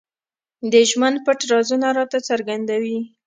د ژوند پټ رازونه راته څرګندوي.